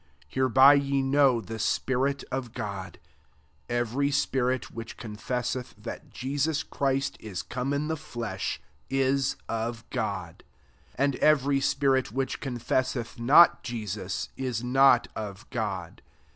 2 Hereby ye know the spirit of God : every spirit which con fesseth that Jesus Christ is come in the flesh,* is of God» 3 And every spirit which con fesseth not Jesus, is not of God.